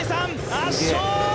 圧勝！